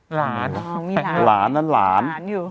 หลานหลานนั้นหลาน